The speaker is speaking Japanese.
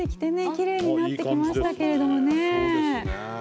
きれいになってきましたけれどもね。